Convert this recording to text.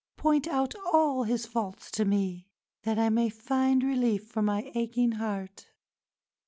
Point out all his faults to me, that I may find relief for my aching heart."